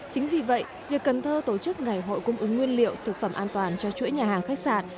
chính vì vậy việc cần thơ tổ chức ngày hội cung ứng nguyên liệu thực phẩm an toàn cho chuỗi nhà hàng khách sạn